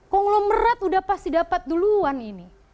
konglomerat udah pasti dapat duluan ini